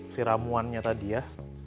si ramuannya tadi ya